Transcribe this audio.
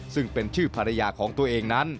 ซึ่งเป็นชื่อภรรยาของตัวเองนั้น